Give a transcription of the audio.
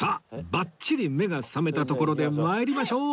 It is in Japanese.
バッチリ目が覚めたところで参りましょう！